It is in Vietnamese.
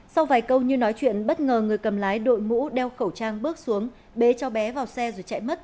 sau vài câu như nói chuyện bất ngờ người cầm lái đội mũ đeo khẩu trang bước xuống bế cháu bé vào xe rồi chạy mất